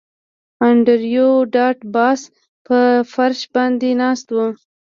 انډریو ډاټ باس په فرش باندې ناست و